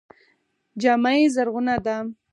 جامه یې زرغونه ده.